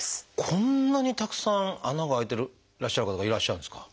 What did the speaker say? こんなにたくさん穴が開いてらっしゃる方がいらっしゃるんですか？